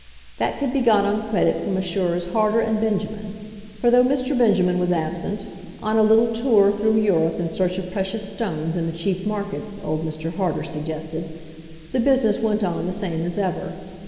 That could be got on credit from Messrs. Harter and Benjamin; for though Mr. Benjamin was absent, on a little tour through Europe in search of precious stones in the cheap markets, old Mr. Harter suggested, the business went on the same as ever.